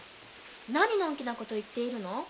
何のんきなこと言っているの？